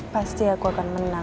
pasti aku akan menang